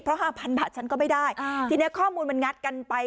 เพราะห้าพันบาทฉันก็ไม่ได้ทีนี้ข้อมูลมันงัดกันไป